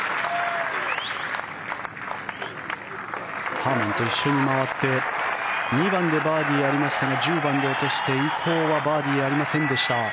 ハーマンと一緒に回って２番でバーディーがありましたが１０番で落として、以降はバーディーありませんでした。